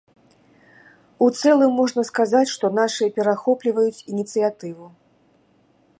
У цэлым можна сказаць, што нашы перахопліваюць ініцыятыву.